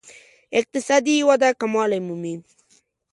اقتصادي وده کموالی مومي.